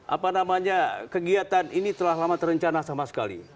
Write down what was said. apa namanya kegiatan ini telah lama terencana sama sekali